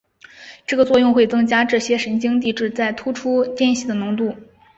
这个作用会增加这些神经递质在突触间隙的浓度。